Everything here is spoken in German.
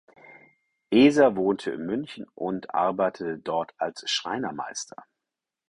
Eser wohnte in München und arbeitete dort als Schreinermeister.